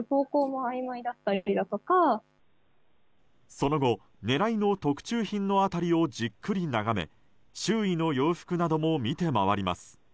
その後、狙いの特注品の辺りをじっくり眺め周囲の洋服なども見て回ります。